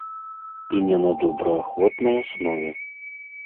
І не на добраахвотнай аснове.